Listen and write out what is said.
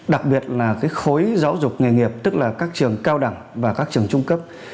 đặc biệt là cái khối giáo dục nghề nghiệp tức là các trường cao đẳng và các trường trung cấp